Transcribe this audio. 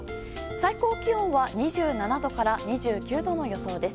最高気温は２７度から２９度の予想です。